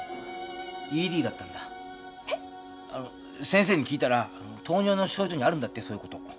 先生に聞いたら糖尿の症状にあるんだってそういうこと。